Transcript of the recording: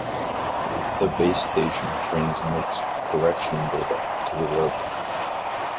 The base station transmits correction data to the rover.